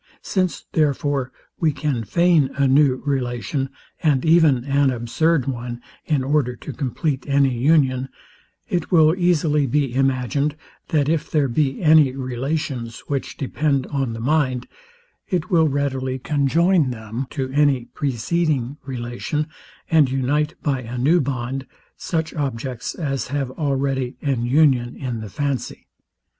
Since, therefore, we can feign a new relation, and even an absurd one, in order to compleat any union, it will easily be imagined, that if there be any relations, which depend on the mind, it will readily conjoin them to any preceding relation, and unite, by a new bond, such objects as have already an union in the fancy.